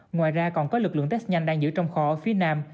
ngoài ra còn có lực lượng test nhanh đang giữ trong kho phía nam